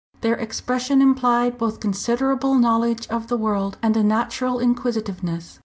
Their expression implied both considerable knowledge of the world and a natural inquisitiveness.